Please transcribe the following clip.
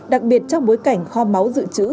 đặc biệt trong bối cảnh kho máu dự trữ